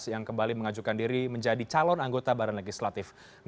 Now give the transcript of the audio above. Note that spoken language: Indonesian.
yang kembali mengajukan diri menjadi calon anggota barang legislatif